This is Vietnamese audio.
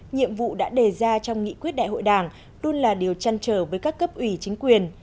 nhiệm vụ đã đề ra trong nghị quyết đại hội đảng luôn là điều chăn trở với các cấp ủy chính quyền